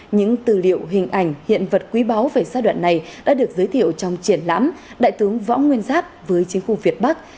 những tư liệu hình ảnh hiện vật quý báo về giai đoạn này đã được giới thiệu trong triển lãm đại tướng võ nguyên giáp với chính khu việt bắc